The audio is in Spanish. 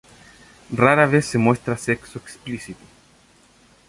Rara vez se muestra sexo explícito.